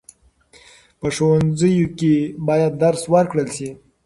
په ښوونځیو کې باید درس ورکړل شي.